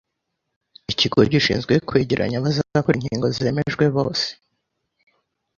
ikigo gishinzwe kwegeranya abazakora inkingo zemejwe bose,